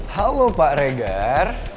halo pak regar